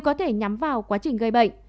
có thể nhắm vào quá trình gây bệnh